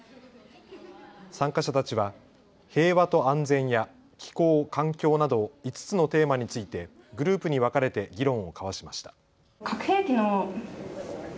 参加者たちは平和と安全や気候・環境など５つのテーマについてグループに分かれて議論を交わしました。